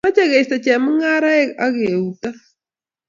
Mochei keisto chemungaraek ang or taban ak keuito